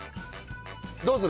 どうする？